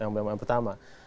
yang kedua memang teaternya